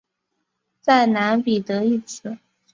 在蓝彼得一词。